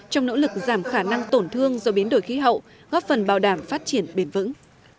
trong nỗ lực giảm khả năng tổn thương do biến đổi khí hậu góp phần bảo đảm phát triển bền vững